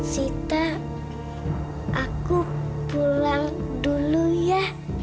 sita aku pulang dulu ya